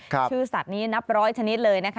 ชื่อสัตว์นี้นับร้อยชนิดเลยนะคะ